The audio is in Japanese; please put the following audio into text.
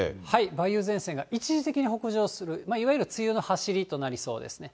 梅雨前線が一時的に北上する、いわゆる梅雨のはしりとなりそうですね。